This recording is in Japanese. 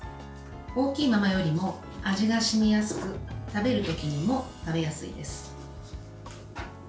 大きいままよりも味が染みやすく食べるときにも食べやすいです。